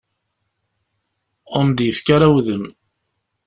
Ur am-d-yefki ara udem.